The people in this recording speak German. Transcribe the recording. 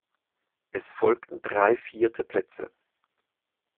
Es folgten drei vierte Plätze.